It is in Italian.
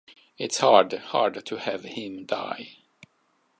It is hard, hard to have him die!